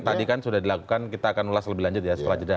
tadi kan sudah dilakukan kita akan ulas lebih lanjut ya setelah jeda